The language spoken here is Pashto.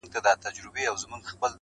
ټول جهان ورته تیاره سو لاندي باندي٫